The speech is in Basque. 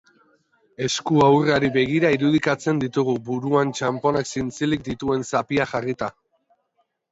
Esku ahurrari begira irudikatzen ditugu, buruan txanponak zintzilik dituen zapia jarrita.